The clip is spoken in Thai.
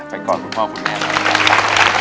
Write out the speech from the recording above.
ขอบคุณพ่อคุณแม่